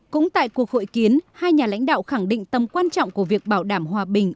cũng tại cuộc hội kiến hai nhà lãnh đạo khẳng định tầm quan trọng của việc bảo đảm hòa bình